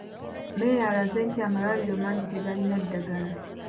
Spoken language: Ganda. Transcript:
Meeya alaze nti amalwaliro mangi tegalina ddagala.